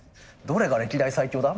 「どれが歴代最強だ？」